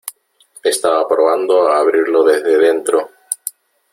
estaba probando a abrirlo desde dentro .